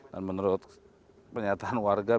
dan menurut pernyataan warga